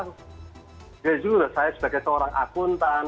saya juga sebagai seorang akuntan